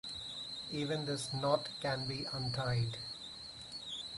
Even this knot can be untied...